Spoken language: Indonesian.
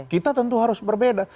kita tentu harus berbeda